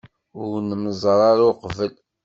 Ur nemmẓer ara uqbel?